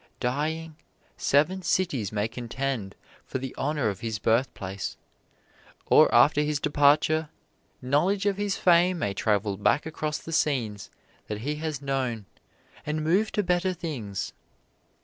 Dying, seven cities may contend for the honor of his birthplace; or after his departure, knowledge of his fame may travel back across the scenes that he has known, and move to better things.